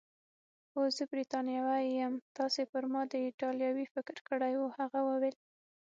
هو، زه بریتانوی یم، تاسي پر ما د ایټالوي فکر کړی وو؟ هغه وویل.